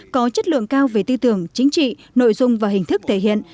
có chất lượng cao về tư tưởng chính trị nội dung và hình thức thể hiện